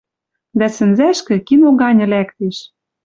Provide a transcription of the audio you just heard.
Дӓ сӹнзӓшкӹ, кино ганьы, лӓктеш